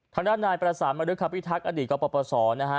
ทางด้านนายปราศาลมาด้วยครับพี่ทักอดีตก็ประสอบนะฮะ